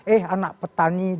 eh anak petani dari perancis